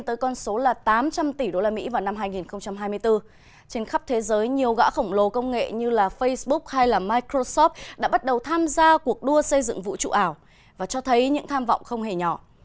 trên khắp thế giới nhiều gã khổng lồ công nghệ như facebook hay microsoft đã bắt đầu tham gia cuộc đua xây dựng vũ trụ ảo và cho thấy những tham vọng không hề nhỏ